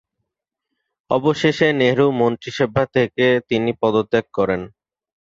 অবশেষে নেহেরু মন্ত্রিসভা থেকে তিনি পদত্যাগ করেন।